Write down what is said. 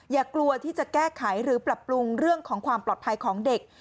อย่ากลัวที่จะแก้ไขหรือปรับปรุงเรื่องของความปลอดภัยของเด็ก